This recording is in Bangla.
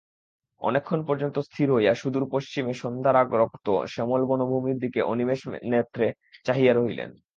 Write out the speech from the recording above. অনেকক্ষণ পর্যন্ত স্থির হইয়া সুদূর পশ্চিমে সন্ধ্যারাগরক্ত শ্যামল বনভূমির দিকে অনিমেষ নেত্রে চাহিয়া রহিলেন।